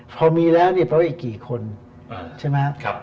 พอมีแล้วเนี่ยเพราะอีกกี่คนใช่ไหม